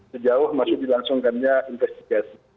sejauh masih dilangsungkannya investigasi